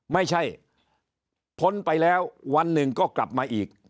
ไม่ใช่พ้นไปแล้ววันหนึ่งก็กลับมาอีก